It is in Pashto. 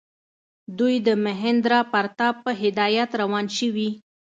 دوی د مهیندراپراتاپ په هدایت روان شوي.